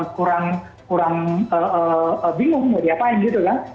kurang bingung mau diapain gitu kan